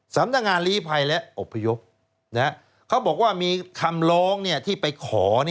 สำนักงานลีภัยและอบพยพเขาบอกว่ามีคำร้องที่ไปขอ